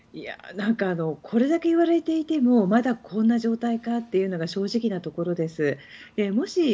これだけいわれていてもまだこんな状態かというのが正直なところです。